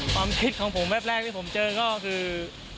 ความคิดของผมแวบแรกที่ผมเจอก็คือ